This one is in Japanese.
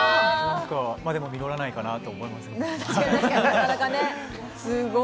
まぁでも実らないかなと思いますけど。